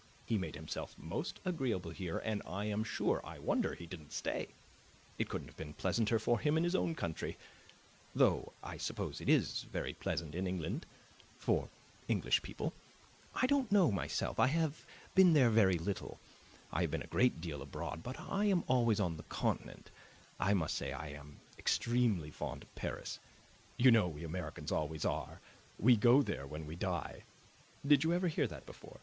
He made himself most agreeable here, and I am sure I wonder he didn't stay. It couldn't have been pleasanter for him in his own country, though, I suppose, it is very pleasant in England, for English people. I don't know myself; I have been there very little. I have been a great deal abroad, but I am always on the Continent. I must say I'm extremely fond of Paris; you know we Americans always are; we go there when we die. Did you ever hear that before?